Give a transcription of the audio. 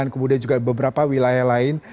kemudian juga beberapa wilayah lain